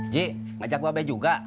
ji ngajak gue be juga